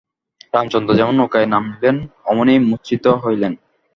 রামচন্দ্র যেমন নৌকায় নামিলেন অমনি মূর্চ্ছিত হইলেন।